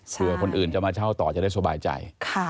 เผื่อคนอื่นจะมาเช่าต่อจะได้สบายใจ